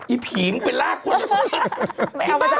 ไอ้ผีมันไปล่าคน